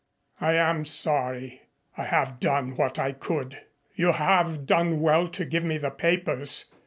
"I am sorry, I have done what I could. You have done well to give me the papers.